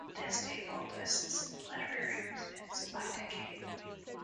This table lists literary movements by decade.